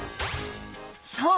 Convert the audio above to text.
そう！